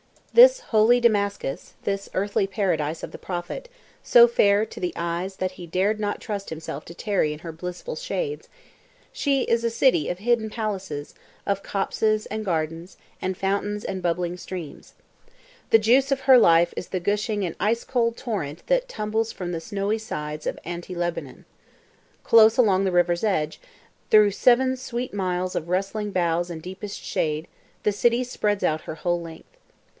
This "holy" Damascus, this "earthly paradise" of the Prophet, so fair to the eyes that he dared not trust himself to tarry in her blissful shades, she is a city of hidden palaces, of copses and gardens, and fountains and bubbling streams. The juice of her life is the gushing and ice cold torrent that tumbles from the snowy sides of Anti Lebanon. Close along on the river's edge, through seven sweet miles of rustling boughs and deepest shade, the city spreads out her whole length.